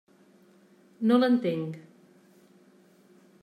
No l'entenc.